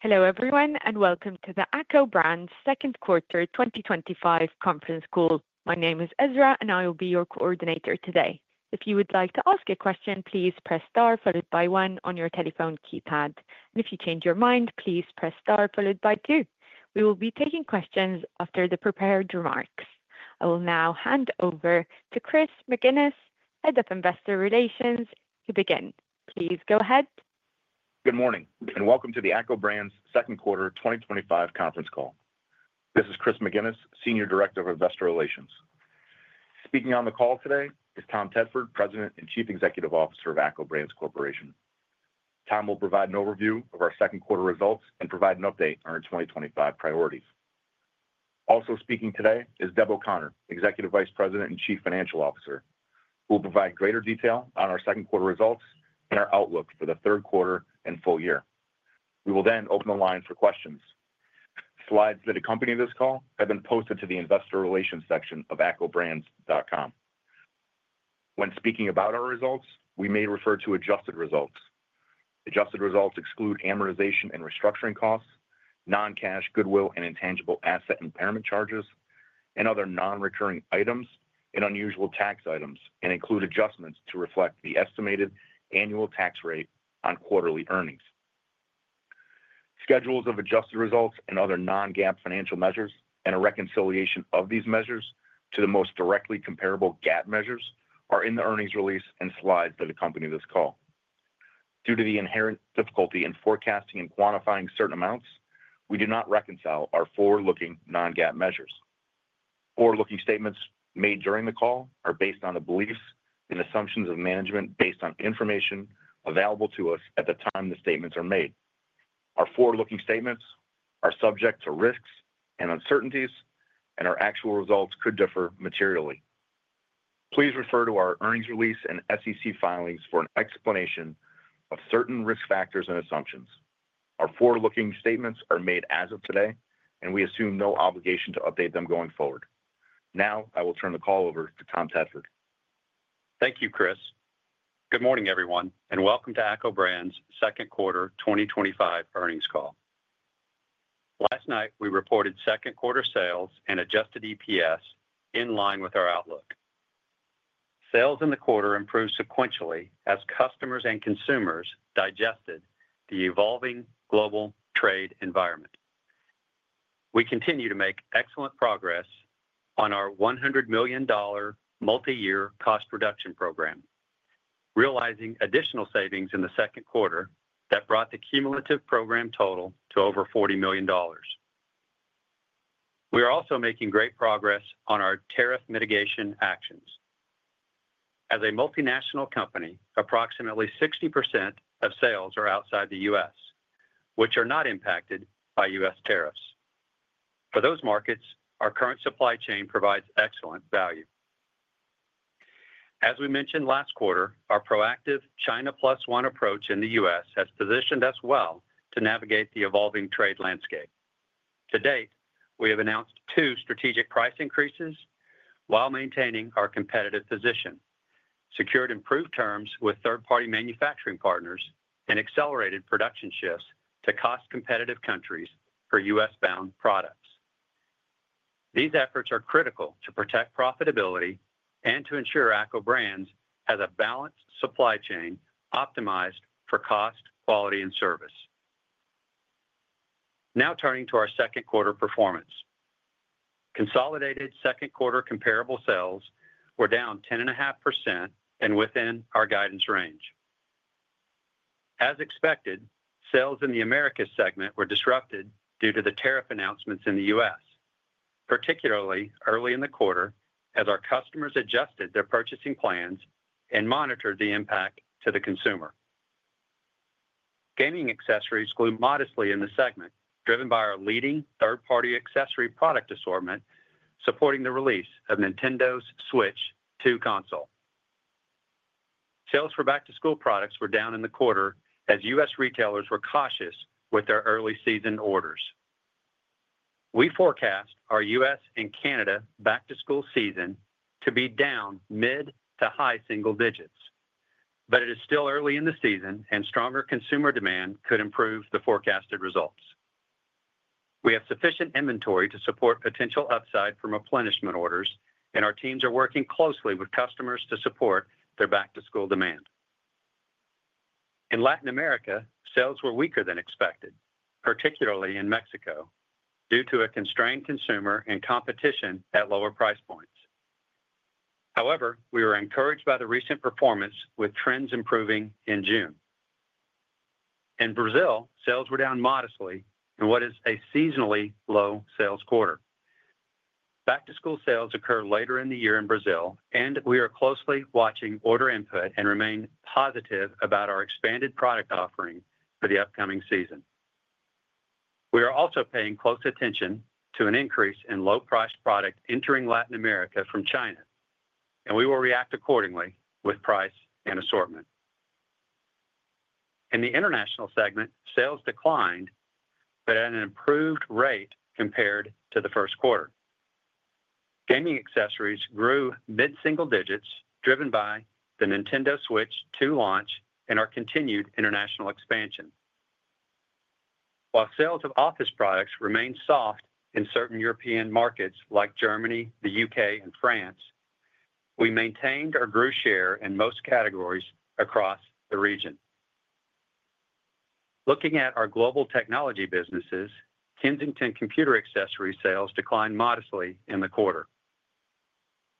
Hello everyone, and welcome to the ACCO Brands' Second Quarter 2025 Conference Call. My name is Ezra, and I will be your coordinator today. If you would like to ask a question, please press star followed by one on your telephone keypad. If you change your mind, please press star followed by two. We will be taking questions after the prepared remarks. I will now hand over to Chris McGinnis, Head of Investor Relations, to begin. Please go ahead. Good morning, and welcome to the ACCO Brands' Second Quarter 2025 Conference Call. This is Chris McGinnis, Senior Director of Investor Relations. Speaking on the call today is Tom Tedford, President and Chief Executive Officer of ACCO Brands Corporation. Tom will provide an overview of our second-quarter results and provide an update on our 2025 priorities. Also speaking today is Deb O'Connor, Executive Vice President and Chief Financial Officer, who will provide greater detail on our second-quarter results and our outlook for the third quarter and full year. We will then open the lines for questions. Slides that accompany this call have been posted to the investor relations section of accobrands.com. When speaking about our results, we may refer to adjusted results. Adjusted results exclude amortization and restructuring costs, non-cash, goodwill, and intangible asset impairment charges, and other non-recurring items and unusual tax items, and include adjustments to reflect the estimated annual tax rate on quarterly earnings. Schedules of adjusted results and other non-GAAP financial measures, and a reconciliation of these measures to the most directly comparable GAAP measures, are in the earnings release and slides that accompany this call. Due to the inherent difficulty in forecasting and quantifying certain amounts, we do not reconcile our forward-looking non-GAAP measures. Forward-looking statements made during the call are based on the beliefs and assumptions of management based on information available to us at the time the statements are made. Our forward-looking statements are subject to risks and uncertainties, and our actual results could differ materially. Please refer to our earnings release and SEC filings for an explanation of certain risk factors and assumptions. Our forward-looking statements are made as of today, and we assume no obligation to update them going forward. Now, I will turn the call over to Tom Tedford. Thank you, Chris. Good morning, everyone, and welcome to ACCO Brands' Second Quarter 2025 Earnings Call. Last night, we reported second-quarter sales and adjusted EPS in line with our outlook. Sales in the quarter improved sequentially as customers and consumers digested the evolving global trade environment. We continue to make excellent progress on our $100 million multi-year cost reduction program, realizing additional savings in the second quarter that brought the cumulative program total to over $40 million. We are also making great progress on our tariff mitigation actions. As a multinational company, approximately 60% of sales are outside the U.S., which are not impacted by U.S. tariffs. For those markets, our current supply chain provides excellent value. As we mentioned last quarter, our proactive China plus one approach in the U.S. has positioned us well to navigate the evolving trade landscape. To date, we have announced two strategic price increases while maintaining our competitive position, secured improved terms with third-party manufacturing partners, and accelerated production shifts to cost-competitive countries for U.S.-bound products. These efforts are critical to protect profitability and to ensure ACCO Brands has a balanced supply chain optimized for cost, quality, and service. Now turning to our second-quarter performance. Consolidated second quarter comparable sales were down 10.5% and within our guidance range. As expected, sales in the Americas segment were disrupted due to the tariff announcements in the U.S., particularly early in the quarter, as our customers adjusted their purchasing plans and monitored the impact to the consumer. Gaming accessories grew modestly in the segment, driven by our leading third-party accessory product assortment, supporting the release of Nintendo's Switch 2 console. Sales for back-to-school products were down in the quarter, as U.S. retailers were cautious with their early season orders. We forecast our U.S. and Canada back-to-school season to be down mid to high single-digits, but it is still early in the season, and stronger consumer demand could improve the forecasted results. We have sufficient inventory to support potential upside from replenishment orders, and our teams are working closely with customers to support their back-to-school demand. In Latin America, sales were weaker than expected, particularly in Mexico, due to a constrained consumer and competition at lower price points. However, we were encouraged by the recent performance, with trends improving in June. In Brazil, sales were down modestly in what is a seasonally low sales quarter. Back-to-school sales occur later in the year in Brazil, and we are closely watching order input and remain positive about our expanded product offering for the upcoming season. We are also paying close attention to an increase in low-priced product entering Latin America from China, and we will react accordingly with price and assortment. In the international segment, sales declined, but at an improved rate compared to the first quarter. Gaming accessories grew mid-single-digits, driven by the Nintendo Switch 2 launch and our continued international expansion. While sales of office products remain soft in certain European markets like Germany, the U.K., and France, we maintained our share in most categories across the region. Looking at our global technology businesses, Kensington computer accessory sales declined modestly in the quarter.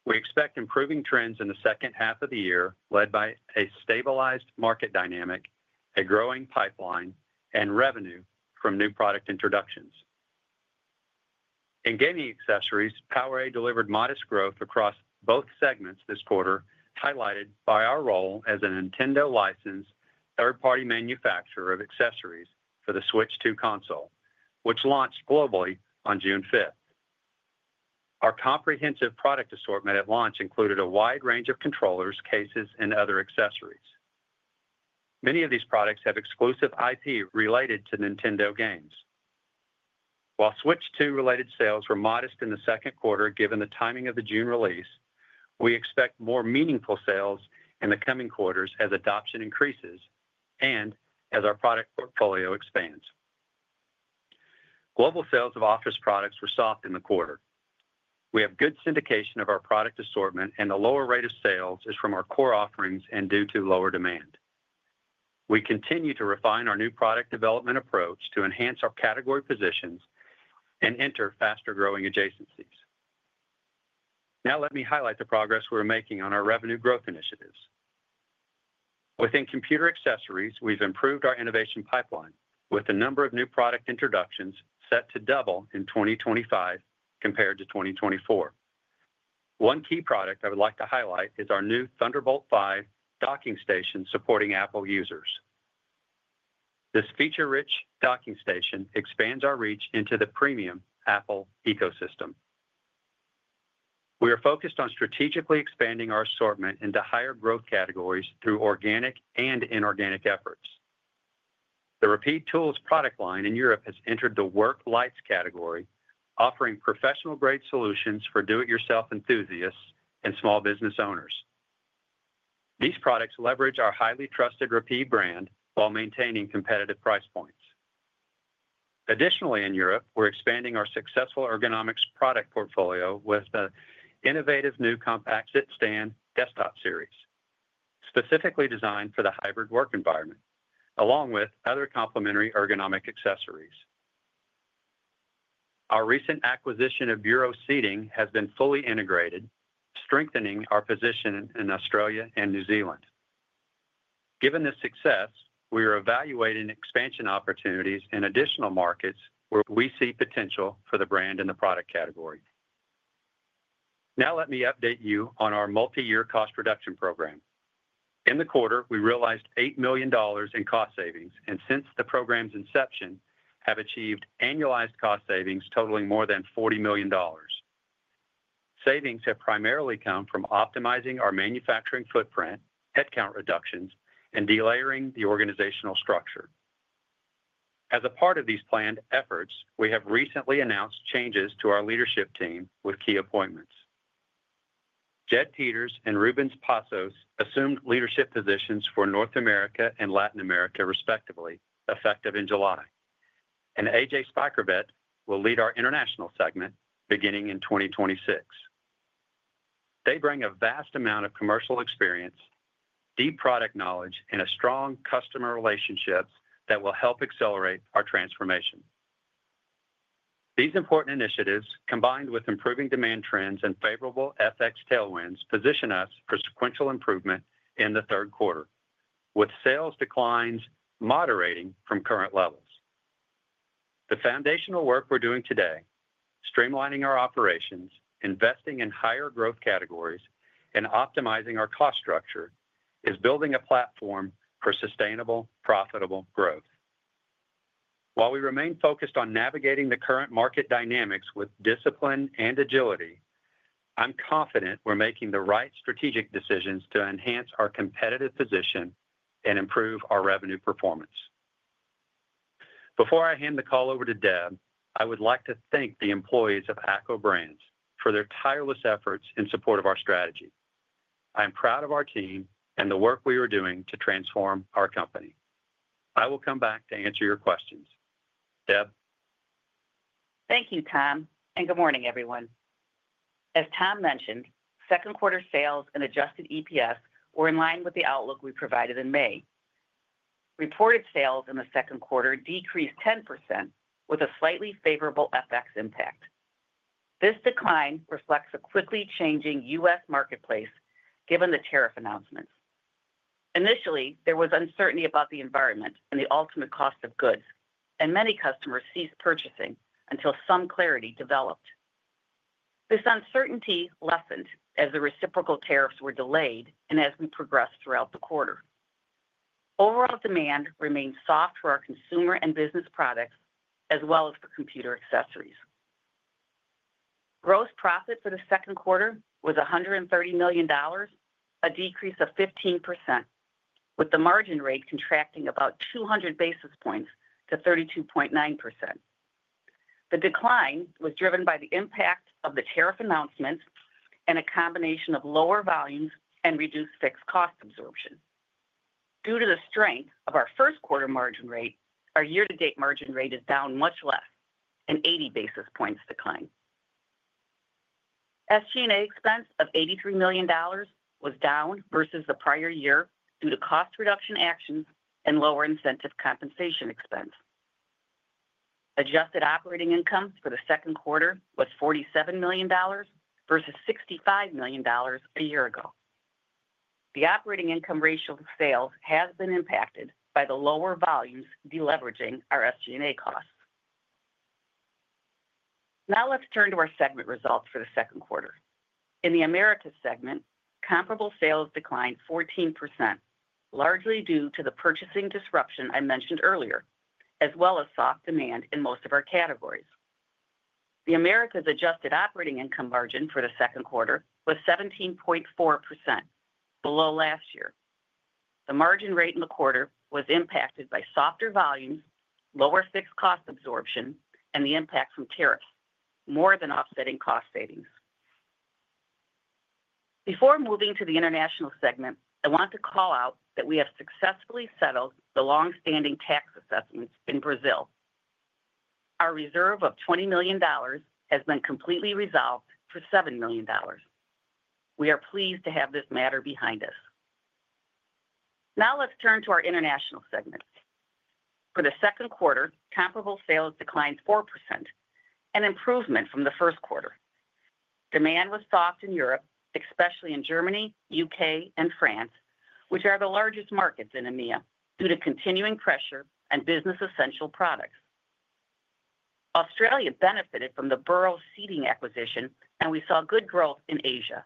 We expect improving trends in the second half of the year, led by a stabilized market dynamic, a growing pipeline, and revenue from new product introductions. In gaming accessories, PowerA delivered modest growth across both segments this quarter, highlighted by our role as a Nintendo-licensed third-party manufacturer of accessories for the Switch 2 console, which launched globally on June 5th. Our comprehensive product assortment at launch included a wide range of controllers, cases, and other accessories. Many of these products have exclusive IP related to Nintendo games. While Switch 2-related sales were modest in the second quarter, given the timing of the June release, we expect more meaningful sales in the coming quarters as adoption increases and as our product portfolio expands. Global sales of office products were soft in the quarter. We have good syndication of our product assortment, and the lower rate of sales is from our core offerings and due to lower demand. We continue to refine our new product development approach to enhance our category positions and enter faster growing adjacencies. Now let me highlight the progress we're making on our revenue growth initiatives. Within computer accessories, we've improved our innovation pipeline, with a number of new product introductions set to double in 2025 compared to 2024. One key product I would like to highlight is our new Thunderbolt 5 Docking Station supporting Apple users. This feature-rich docking station expands our reach into the premium Apple ecosystem. We are focused on strategically expanding our assortment into higher growth categories through organic and inorganic efforts. The Rapid Tools product line in Europe has entered the work lights category, offering professional-grade solutions for do-it-yourself enthusiasts and small business owners. These products leverage our highly trusted Rapid brand while maintaining competitive price points. Additionally, in Europe, we're expanding our successful ergonomics product portfolio with the innovative new Compact sit-stand desktop series, specifically designed for the hybrid work environment, along with other complementary ergonomic accessories. Our recent acquisition of Buro Seating has been fully integrated, strengthening our position in Australia and New Zealand. Given this success, we are evaluating expansion opportunities in additional markets where we see potential for the brand in the product category. Now let me update you on our multi-year cost reduction program. In the quarter, we realized $8 million in cost savings, and since the program's inception, have achieved annualized cost savings totaling more than $40 million. Savings have primarily come from optimizing our manufacturing footprint, headcount reductions, and delayering the organizational structure. As a part of these planned efforts, we have recently announced changes to our leadership team with key appointments. Jed Peters and Rubens Passos assumed leadership positions for North America and Latin America, respectively, effective in July. AJ Spijkervet will lead our international segment beginning in 2026. They bring a vast amount of commercial experience, deep product knowledge, and a strong customer relationship that will help accelerate our transformation. These important initiatives, combined with improving demand trends and favorable FX tailwinds, position us for sequential improvement in the third quarter, with sales declines moderating from current levels. The foundational work we're doing today, streamlining our operations, investing in higher growth categories, and optimizing our cost structure, is building a platform for sustainable, profitable growth. While we remain focused on navigating the current market dynamics with discipline and agility, I'm confident we're making the right strategic decisions to enhance our competitive position and improve our revenue performance. Before I hand the call over to Deb, I would like to thank the employees of ACCO Brands for their tireless efforts in support of our strategy. I am proud of our team and the work we are doing to transform our company. I will come back to answer your questions. Deb? Thank you, Tom, and good morning, everyone. As Tom mentioned, second-quarter sales and adjusted EPS were in line with the outlook we provided in May. Reported sales in the second quarter decreased 10%, with a slightly favorable FX impact. This decline reflects a quickly changing U.S. marketplace, given the tariff announcements. Initially, there was uncertainty about the environment and the ultimate cost of goods, and many customers ceased purchasing until some clarity developed. This uncertainty lessened as the reciprocal tariffs were delayed and as we progressed throughout the quarter. Overall demand remained soft for our consumer and business products, as well as for computer accessories. Gross profit for the second quarter was $130 million, a decrease of 15%, with the margin rate contracting about 200 basis points to 32.9%. The decline was driven by the impact of the tariff announcements and a combination of lower volumes and reduced fixed-cost absorption. Due to the strength of our first-quarter margin rate, our year-to-date margin rate is down much less, an 80 basis points decline. SG&A expense of $83 million was down versus the prior year due to cost reduction actions and lower incentive compensation expense. Adjusted operating income for the second quarter was $47 million versus $65 million a year ago. The operating income ratio of sales has been impacted by the lower volumes deleveraging our SG&A costs. Now let's turn to our segment results for the second quarter. In the Americas segment, comparable sales declined 14%, largely due to the purchasing disruption I mentioned earlier, as well as soft demand in most of our categories. The Americas adjusted operating income margin for the second quarter was 17.4%, below last year. The margin rate in the quarter was impacted by softer volumes, lower fixed-cost absorption, and the impact from tariffs, more than offsetting cost savings. Before moving to the international segment, I want to call out that we have successfully settled the longstanding tax assessments in Brazil. Our reserve of $20 million has been completely resolved for $7 million. We are pleased to have this matter behind us. Now let's turn to our international segments. For the second quarter, comparable sales declined 4%, an improvement from the first quarter. Demand was soft in Europe, especially in Germany, U.K., and France, which are the largest markets in EMEA due to continuing pressure on business essential products. Australia benefited from the Buro Seating acquisition, and we saw good growth in Asia.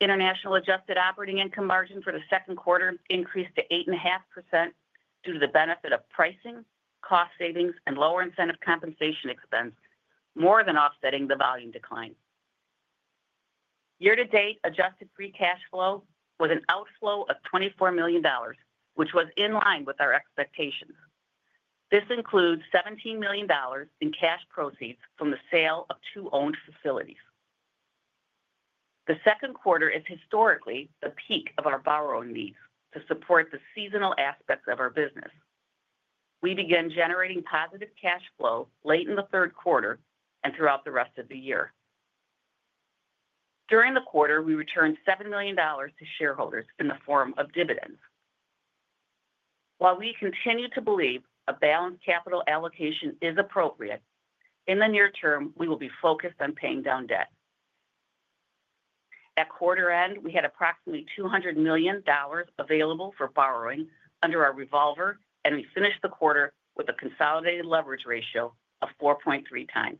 International adjusted operating income margin for the second quarter increased to 8.5% due to the benefit of pricing, cost savings, and lower incentive compensation expense, more than offsetting the volume decline. Year-to-date adjusted free cash flow was an outflow of $24 million, which was in line with our expectations. This includes $17 million in cash proceeds from the sale of two owned facilities. The second quarter is historically the peak of our borrowing needs to support the seasonal aspects of our business. We began generating positive cash flow late in the third quarter and throughout the rest of the year. During the quarter, we returned $7 million to shareholders in the form of dividends. While we continue to believe a balanced capital allocation is appropriate, in the near term, we will be focused on paying down debt. At quarter-end, we had approximately $200 million available for borrowing under our revolver, and we finished the quarter with a consolidated leverage ratio of 4.3x.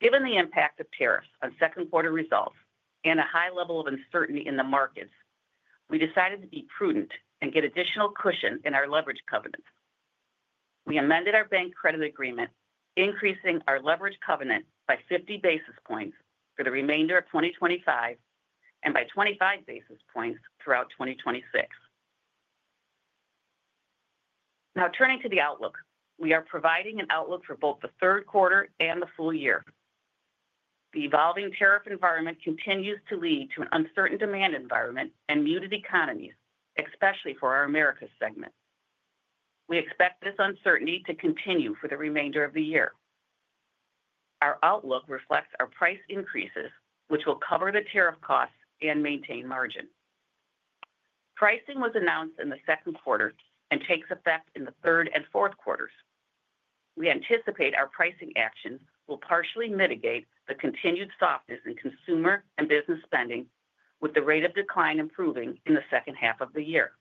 Given the impact of tariffs on second-quarter results and a high-level of uncertainty in the markets, we decided to be prudent and get additional cushion in our leverage covenants. We amended our bank credit agreement, increasing our leverage covenant by 50 basis points for the remainder of 2025 and by 25 basis points throughout 2026. Now turning to the outlook, we are providing an outlook for both the third quarter and the full year. The evolving tariff environment continues to lead to an uncertain demand environment and muted economies, especially for our Americas segment. We expect this uncertainty to continue for the remainder of the year. Our outlook reflects our price increases, which will cover the tariff costs and maintain margin. Pricing was announced in the second quarter and takes effect in the third and fourth quarters. We anticipate our pricing actions will partially mitigate the continued softness in consumer and business spending, with the rate of decline improving in the second half of the year.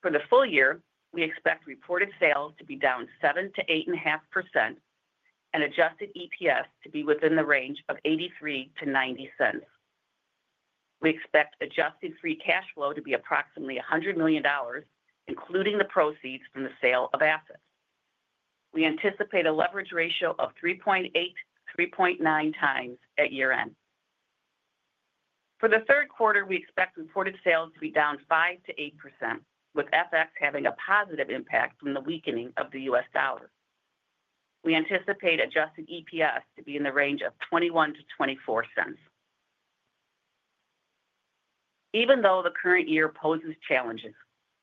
For the full year, we expect reported sales to be down 7% to 8.5% and adjusted EPS to be within the range of $0.83-$0.90. We expect adjusted free cash flow to be approximately $100 million, including the proceeds from the sale of assets. We anticipate a leverage ratio of 3.8 to 3.9x at year-end. For the third quarter, we expect reported sales to be down 5% to 8%, with FX having a positive impact from the weakening of the U.S. dollar. We anticipate adjusted EPS to be in the range of $0.21-$0.24. Even though the current year poses challenges,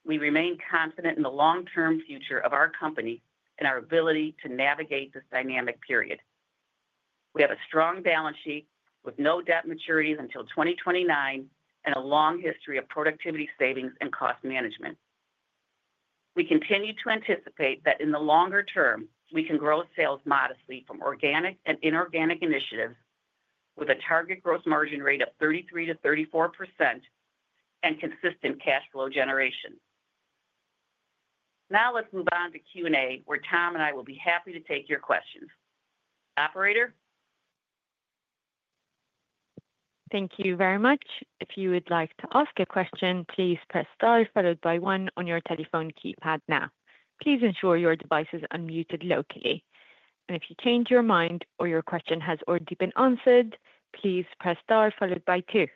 we remain confident in the long-term future of our company and our ability to navigate this dynamic period. We have a strong balance sheet with no debt maturities until 2029 and a long history of productivity savings and cost management. We continue to anticipate that in the longer term, we can grow sales modestly from organic and inorganic initiatives, with a target gross margin rate of 33%-34% and consistent cash flow generation. Now let's move on to Q&A, where Tom and I will be happy to take your questions. Operator? Thank you very much. If you would like to ask a question, please press star followed by one on your telephone keypad now. Please ensure your device is unmuted locally. If you change your mind or your question has already been answered, please press star followed by two.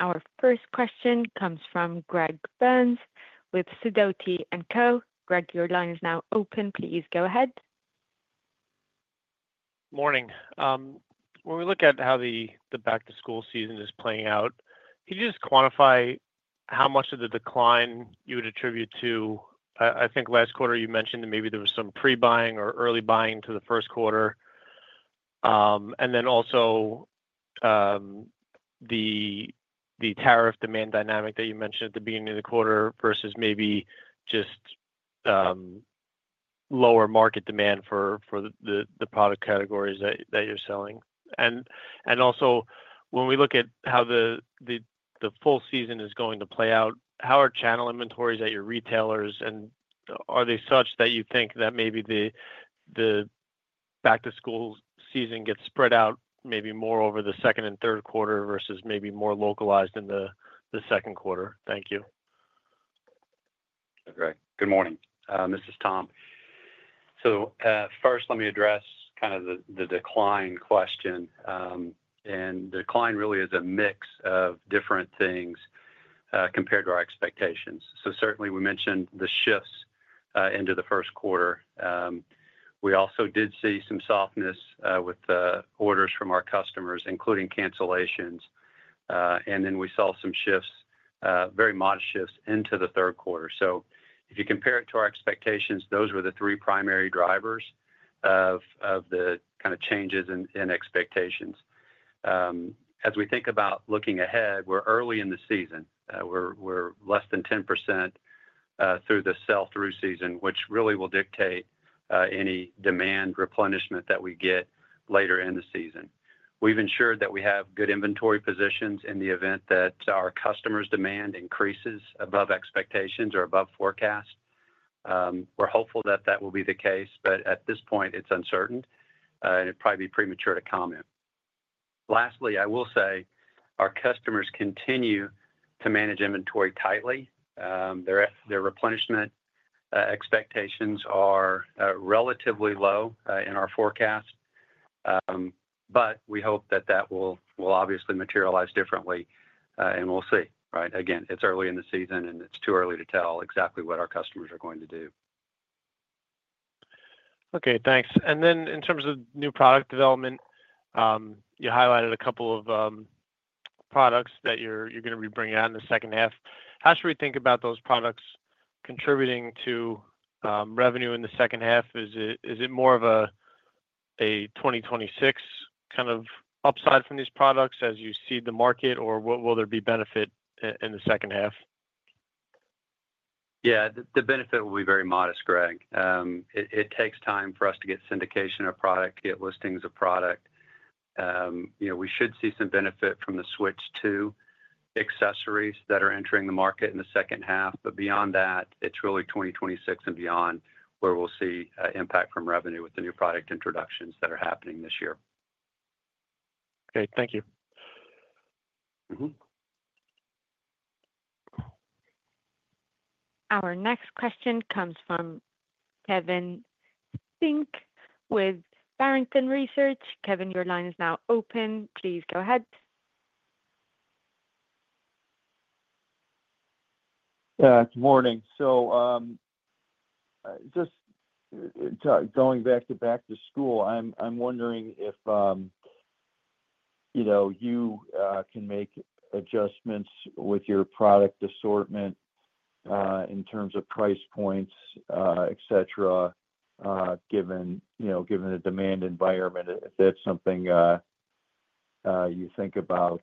Our first question comes from Greg Burns with Sidoti & Co. Greg, your line is now open. Please go ahead. Morning. When we look at how the back-to-school season is playing out, could you just quantify how much of the decline you would attribute to? I think last quarter you mentioned that maybe there was some pre-buying or early buying to the first quarter, and also the tariff demand dynamic that you mentioned at the beginning of the quarter versus maybe just lower market demand for the product categories that you're selling. Also, when we look at how the full season is going to play out, how are channel inventories at your retailers, and are they such that you think that maybe the back-to-school season gets spread out maybe more over the second and third quarter versus maybe more localized in the second quarter? Thank you. Great. Good morning. This is Tom. First, let me address kind of the decline question. The decline really is a mix of different things compared to our expectations. Certainly, we mentioned the shifts into the first quarter. We also did see some softness with the orders from our customers, including cancellations. We saw some shifts, very modest shifts, into the third quarter. If you compare it to our expectations, those were the three primary drivers of the kind of changes in expectations. As we think about looking ahead, we're early in the season. We're less than 10% through the sell-through season, which really will dictate any demand replenishment that we get later in the season. We've ensured that we have good inventory positions in the event that our customers' demand increases above expectations or above forecast. We're hopeful that that will be the case, but at this point, it's uncertain, and it'd probably be premature to comment. Lastly, I will say our customers continue to manage inventory tightly. Their replenishment expectations are relatively low in our forecast, but we hope that that will obviously materialize differently, and we'll see. Again, it's early in the season, and it's too early to tell exactly what our customers are going to do. Okay, thanks. In terms of new product development, you highlighted a couple of products that you're going to be bringing out in the second half. How should we think about those products contributing to revenue in the second half? Is it more of a 2026 kind of upside from these products as you see the market, or will there be benefit in the second half? Yeah, the benefit will be very modest, Greg. It takes time for us to get syndication of product, get listings of product. We should see some benefit from the Switch 2 accessories that are entering the market in the second half, but beyond that, it's really 2026 and beyond where we'll see impact from revenue with the new product introductions that are happening this year. Okay, thank you. Our next question comes from Kevin Steinke with Barrington Research. Kevin, your line is now open. Please go ahead. Morning. Going back to back-to-school, I'm wondering if you can make adjustments with your product assortment in terms of price points, etc., given the demand environment. Is that something you think about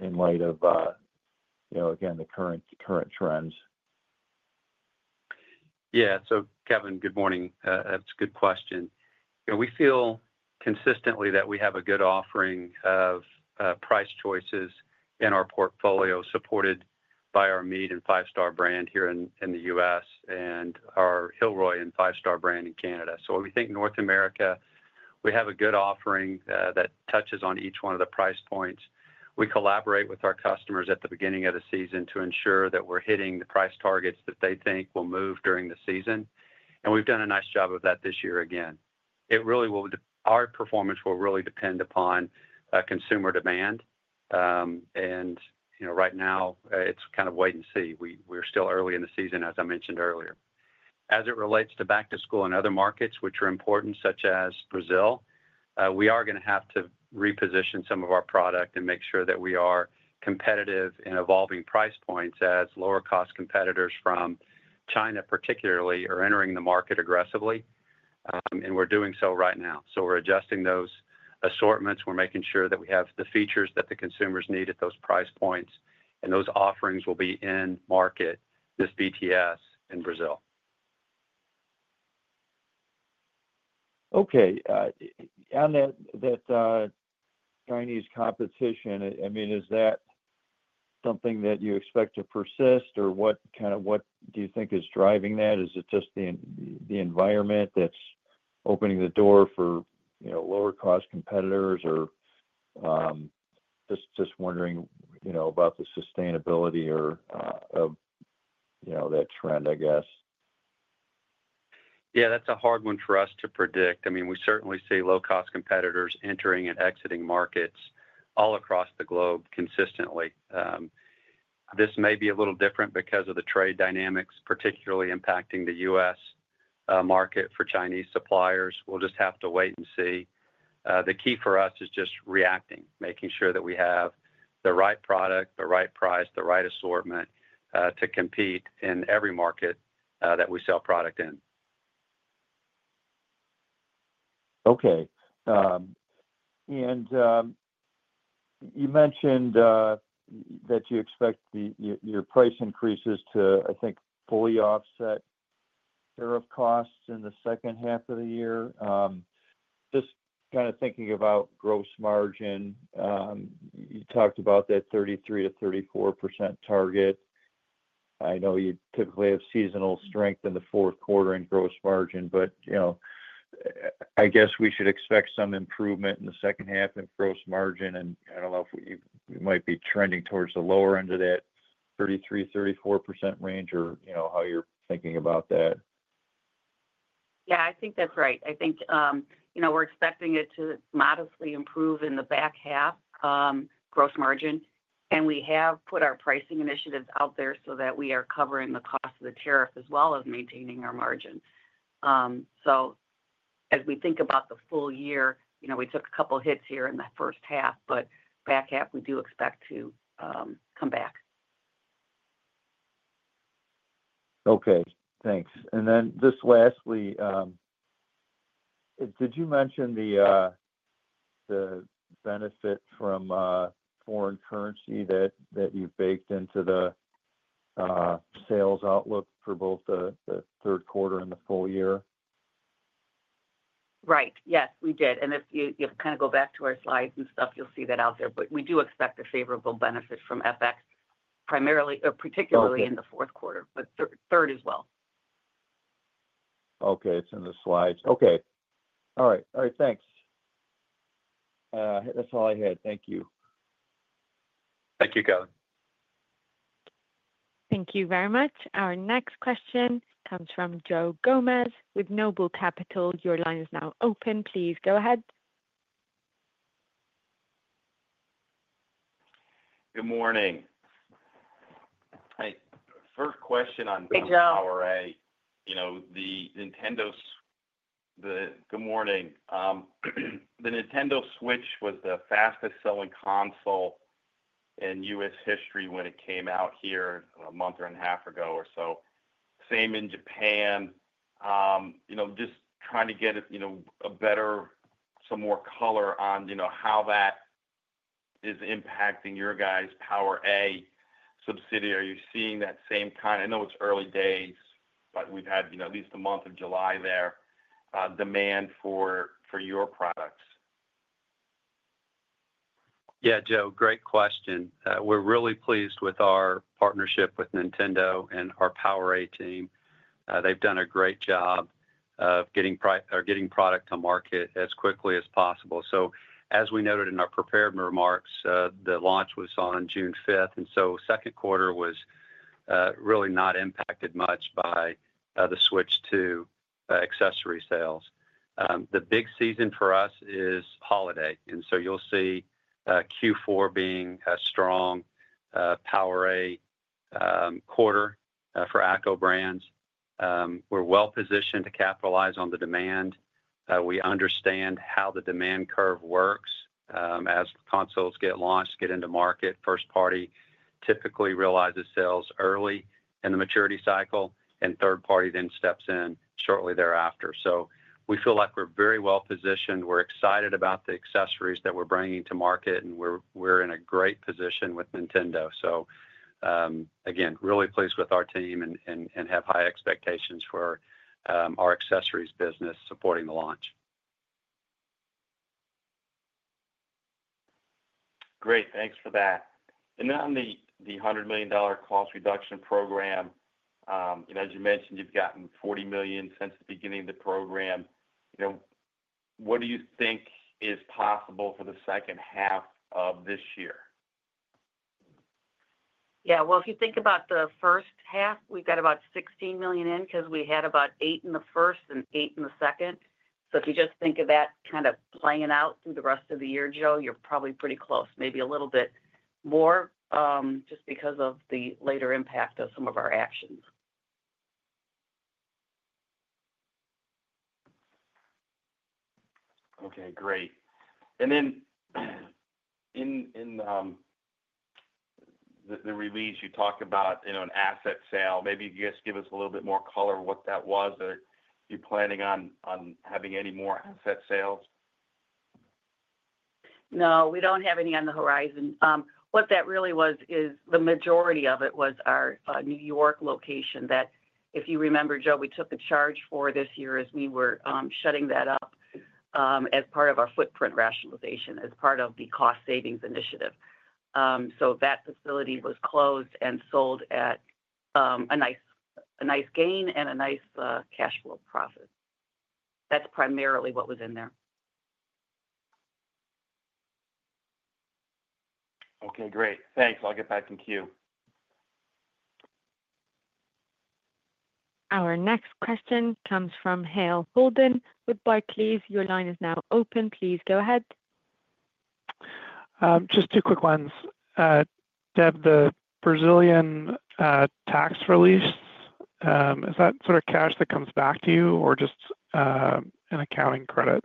in light of, you know, again, the current trends? Yeah. Kevin, good morning. That's a good question. We feel consistently that we have a good offering of price choices in our portfolio supported by our Mead and Five Star brand here in the U.S. and our Hilroy and Five Star brand in Canada. We think North America, we have a good offering that touches on each one of the price points. We collaborate with our customers at the beginning of the season to ensure that we're hitting the price targets that they think will move during the season. We've done a nice job of that this year again. Our performance will really depend upon consumer demand. Right now, it's kind of wait-and-see. We're still early in the season, as I mentioned earlier. As it relates to back-to-school and other markets, which are important, such as Brazil, we are going to have to reposition some of our product and make sure that we are competitive in evolving price points as lower-cost competitors from China particularly are entering the market aggressively. We're doing so right now. We're adjusting those assortments. We're making sure that we have the features that the consumers need at those price points. Those offerings will be in market this BTS in Brazil. Okay. On that Chinese competition, is that something that you expect to persist, or what do you think is driving that? Is it just the environment that's opening the door for lower-cost competitors? I'm just wondering about the sustainability of that trend, I guess. Yeah, that's a hard one for us to predict. I mean, we certainly see low-cost competitors entering and exiting markets all across the globe consistently. This may be a little different because of the trade dynamics, particularly impacting the U.S. market for Chinese suppliers. We'll just have to wait and see. The key for us is just reacting, making sure that we have the right product, the right price, the right assortment to compete in every market that we sell product in. Okay. You mentioned that you expect your price increases to, I think, fully offset tariff costs in the second half of the year. Just kind of thinking about gross margin, you talked about that 33%-34% target. I know you typically have seasonal strength in the fourth quarter in gross margin, but I guess we should expect some improvement in the second half in gross margin. I don't know if we might be trending towards the lower end of that 33%, 34% range, or how you're thinking about that. Yeah, I think that's right. I think we're expecting it to modestly improve in the back-half gross margin. We have put our pricing initiatives out there so that we are covering the cost of the tariff as well as maintaining our margin. As we think about the full year, we took a couple of hits here in the first-half, but back-half, we do expect to come back. Okay. Thanks. Did you mention the benefit from foreign currency that you baked into the sales outlook for both the third quarter and the full year? Right. Yes, we did. If you kind of go back to our slides and stuff, you'll see that out there. We do expect a favorable benefit from FX, primarily or particularly in the fourth quarter, but third as well. Okay. It's in the slides. All right. Thanks. That's all I had. Thank you. Thank you, Kevin. Thank you very much. Our next question comes from Joe Gomes with NOBLE Capital. Your line is now open. Please go ahead. Good morning. First question on PowerA, the Nintendo Switch was the fastest-selling console in U.S. history when it came out here a month and a half ago or so. Same in Japan. Just trying to get some more color on how that is impacting your guys' PowerA subsidiary. Are you seeing that same kind of, I know it's early days, but we've had at least the month of July there, demand for your products? Yeah, Joe, great question. We're really pleased with our partnership with Nintendo and our PowerA team. They've done a great job of getting product to market as quickly as possible. As we noted in our prepared remarks, the launch was on June 5th, and so second quarter was really not impacted much by the Switch 2 accessory sales. The big season for us is holiday, and you'll see Q4 being a strong PowerA quarter for ACCO Brands. We're well positioned to capitalize on the demand. We understand how the demand curve works, as consoles get launched, get into market. First party typically realizes sales early in the maturity cycle, and third party then steps in shortly thereafter. We feel like we're very well positioned. We're excited about the accessories that we're bringing to market, and we're in a great position with Nintendo. Again, really pleased with our team and have high expectations for our accessories business supporting the launch. Great. Thanks for that. On the $100 million cost reduction program, as you mentioned, you've gotten $40 million since the beginning of the program. What do you think is possible for the second half of this year? If you think about the first-half, we've got about $16 million in because we had about $8 million in the first and $8 million in the second. If you just think of that kind of playing out through the rest of the year, Joe, you're probably pretty close, maybe a little bit more, just because of the later impact of some of our actions. Okay. Great. In the release, you talked about, you know, an asset sale. Maybe you just give us a little bit more color of what that was. Are you planning on having any more asset sales? No, we don't have any on the horizon. What that really was is the majority of it was our New York location that, if you remember, Joe, we took a charge for this year as we were shutting that up as part of our footprint rationalization, as part of the cost savings initiative. That facility was closed and sold at a nice gain and a nice cash flow profit. That's primarily what was in there. Okay. Great, thanks. I'll get back in queue. Our next question comes from Hale Holden with Barclays. Your line is now open. Please go ahead. Just two quick ones. Deb, the Brazilian tax release, is that sort of cash that comes back to you or just an accounting credit?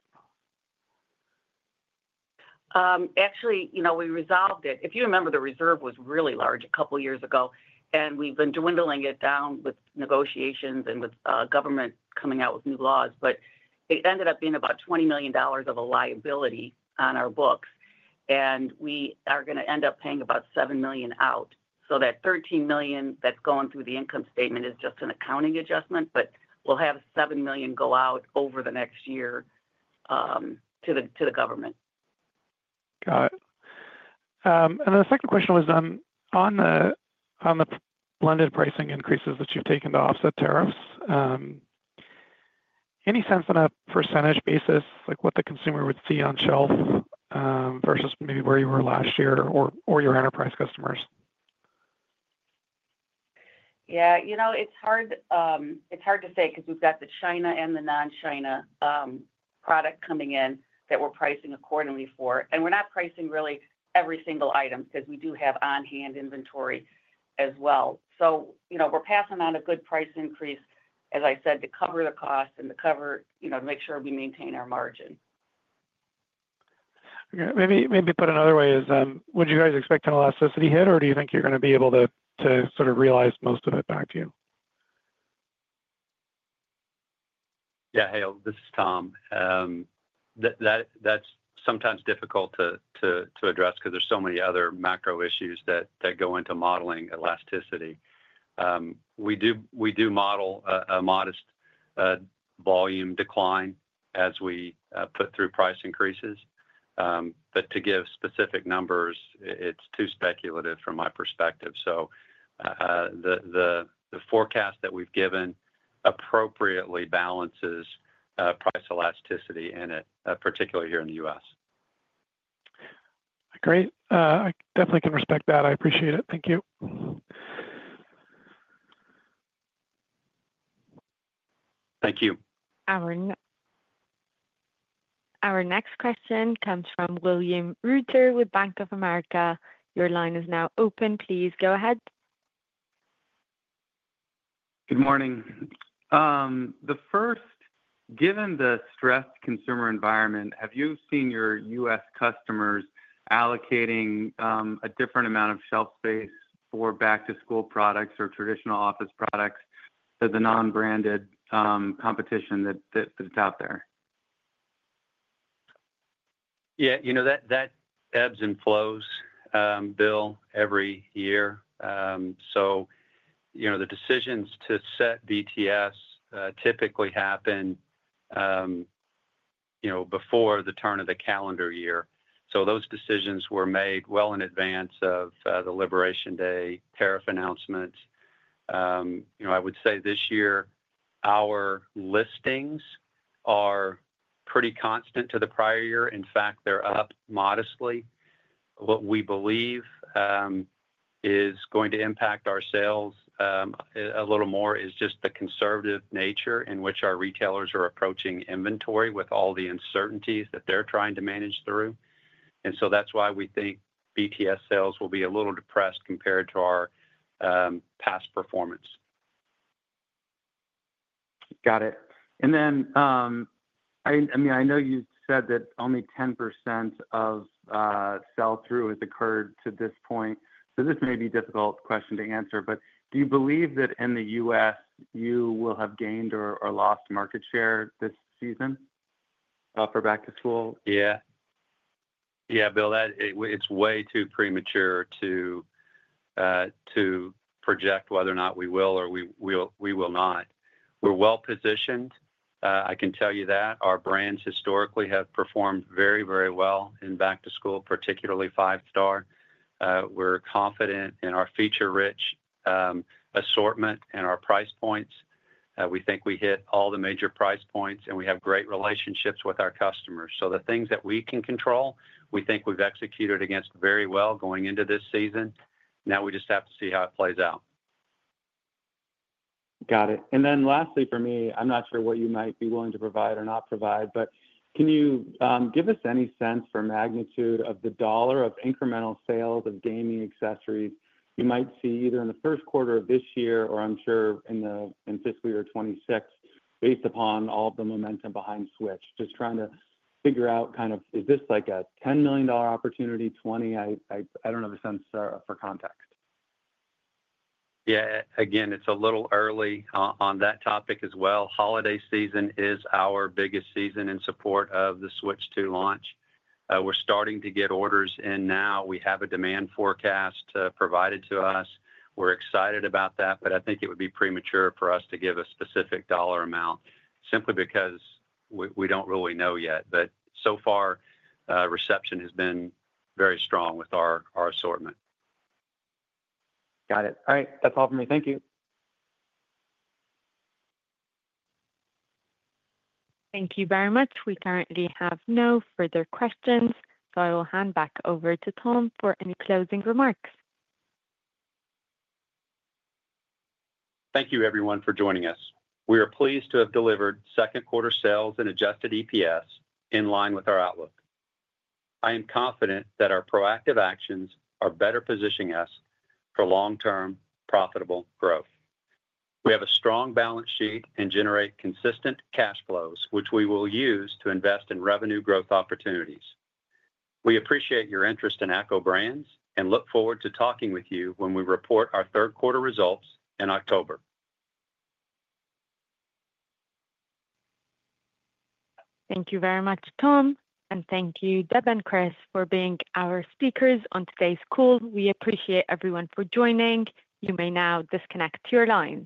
Actually, you know, we resolved it. If you remember, the reserve was really large a couple of years ago, and we've been dwindling it down with negotiations and with government coming out with new laws. It ended up being about $20 million of a liability on our books, and we are going to end up paying about $7 million out. That $13 million that's going through the income statement is just an accounting adjustment, but we'll have $7 million go out over the next year to the government. Got it. The second question was on the blended pricing increases that you've taken to offset tariffs. Any sense on a percentage basis, like what the consumer would see on shelf versus maybe where you were last year or your enterprise customers? Yeah. It's hard to say because we've got the China and the non-China product coming in that we're pricing accordingly for. We're not pricing really every single item because we do have on-hand inventory as well. We're passing on a good price increase, as I said, to cover the cost and to cover, you know, to make sure we maintain our margin. Maybe put another way, would you guys expect an elasticity hit, or do you think you're going to be able to sort of realize most of it back to you? Yeah. Hey, this is Tom. That's sometimes difficult to address because there's so many other macro issues that go into modeling elasticity. We do model a modest volume decline as we put through price increases. To give specific numbers, it's too speculative from my perspective. The forecast that we've given appropriately balances price elasticity in it, particularly here in the U.S. Great. I definitely can respect that. I appreciate it. Thank you. Thank you. Our next question comes from William Reuter with Bank of America. Your line is now open. Please go ahead. Good morning. First, given the stressed consumer environment, have you seen your U.S. customers allocating a different amount of shelf space for back-to-school products or traditional office products to the non-branded competition that's out there? Yeah, you know, that ebbs and flows, Bill, every year. The decisions to set BTS typically happen before the turn of the calendar year. Those decisions were made well in advance of the Liberation Day tariff announcements. I would say this year, our listings are pretty constant to the prior year. In fact, they're up modestly. What we believe is going to impact our sales a little more is just the conservative nature in which our retailers are approaching inventory with all the uncertainties that they're trying to manage through. That's why we think BTS sales will be a little depressed compared to our past performance. Got it. I know you said that only 10% of sell-through has occurred to this point. This may be a difficult question to answer, but do you believe that in the U.S. you will have gained or lost market share this season for back-to-school? Yeah, Bill, it's way too premature to project whether or not we will or we will not. We're well positioned. I can tell you that. Our brands historically have performed very, very well in back-to-school, particularly Five Star. We're confident in our feature-rich assortment and our price points. We think we hit all the major price points, and we have great relationships with our customers. The things that we can control, we think we've executed against very well going into this season. Now we just have to see how it plays out. Got it. Lastly for me, I'm not sure what you might be willing to provide or not provide, but can you give us any sense for magnitude of the dollar of incremental sales of gaming accessories you might see either in the first quarter of this year or in the fiscal year of 2026, based upon all of the momentum behind Switch? Just trying to figure out, is this like a $10 million opportunity, $20 million? I don't have a sense for context. Yeah. Again, it's a little early on that topic as well. Holiday season is our biggest season in support of the Switch 2 launch. We're starting to get orders in now. We have a demand forecast provided to us. We're excited about that, although I think it would be premature for us to give a specific dollar amount simply because we don't really know yet. So far, reception has been very strong with our assortment. Got it. All right, that's all for me. Thank you. Thank you very much. We currently have no further questions, so I will hand back over to Tom for any closing remarks. Thank you, everyone, for joining us. We are pleased to have delivered second-quarter sales and adjusted EPS in line with our outlook. I am confident that our proactive actions are better positioning us for long-term profitable growth. We have a strong balance sheet and generate consistent cash flows, which we will use to invest in revenue growth opportunities. We appreciate your interest in ACCO Brands and look forward to talking with you when we report our third-quarter results in October. Thank you very much, Tom, and thank you, Deb and Chris, for being our speakers on today's call. We appreciate everyone for joining. You may now disconnect your line.